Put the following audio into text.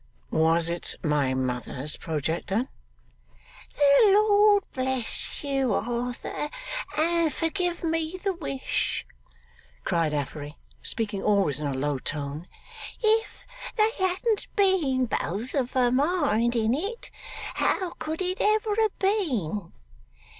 'Was it my mother's project, then?' 'The Lord bless you, Arthur, and forgive me the wish!' cried Affery, speaking always in a low tone. 'If they hadn't been both of a mind in it, how could it ever have been?